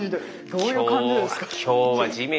どういう感じですか？